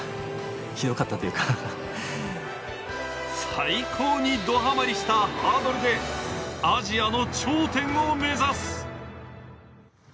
最高にどハマりしたハードルでアジアの頂点を目指す。